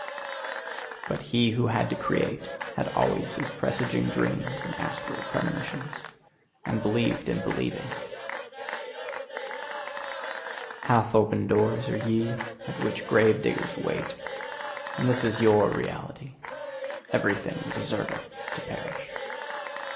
But he who had to create, had always his presaging dreams and astral premonitions and believed in believing! Half open doors are ye, at which grave diggers wait. And this is YOUR reality: "Everything deserveth to perish."